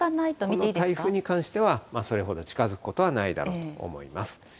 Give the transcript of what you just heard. この台風に関しては、それほど近づくことはないだろうと思います。